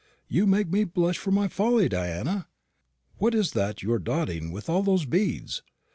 You make me blush for my folly, Diana. What is that you are dotting with all those beads?